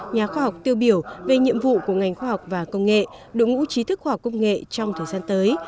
nhà khoa học tiêu biểu về nhiệm vụ của ngành khoa học và công nghệ đội ngũ trí thức khoa học công nghệ trong thời gian tới